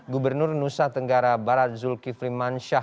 gubernur nusa tenggara barat zulkiflimansyah